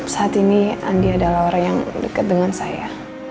saat ini andi adalah orang yang dekat dengan saya